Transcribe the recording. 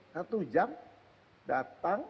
satu jam datang